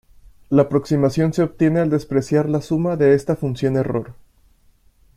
La aproximación se obtiene al despreciar la suma de esta función error.